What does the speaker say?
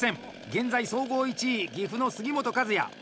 現在総合１位、岐阜の杉本和也！